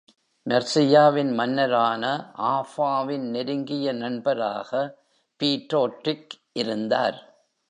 மெர்சியாவின் மன்னரான ஆஃபாவின் நெருங்கிய நண்பராக பீரோட்ரிக் இருந்தார்.